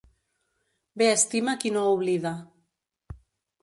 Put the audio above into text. Bé estima qui no oblida.